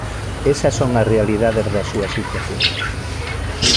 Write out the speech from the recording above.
Esas son as realidades da súa situación.